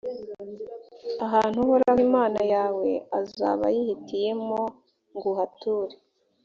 ahantu uhoraho imana yawe azaba yihitiyemo ngo uhature.